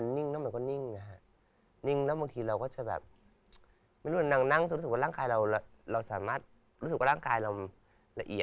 ไอน้ำกระเด็นออกจากหลุมขนนี้